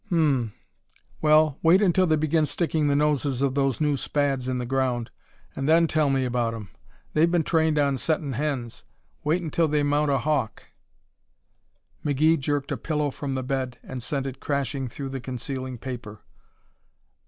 "Um m. Well, wait until they begin sticking the noses of those new Spads in the ground, and then tell me about 'em. They've been trained on settin' hens. Wait until they mount a hawk." McGee jerked a pillow from the bed and sent it crashing through the concealing paper.